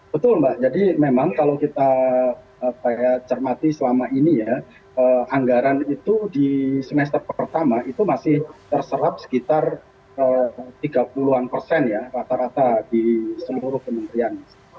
betul mbak jadi memang kalau kita cermati selama ini ya anggaran itu di semester pertama itu masih terserap sekitar tiga puluh an persen ya rata rata di seluruh kementerian